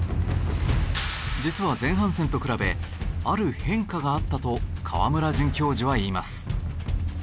実は前半戦と比べある変化があったと川村准教授は言います。